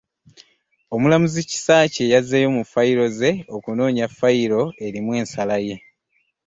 Omulamuzi Kisakye yazzeeyo mu woofiisi ze okunoonya fayiro erimu ensala ye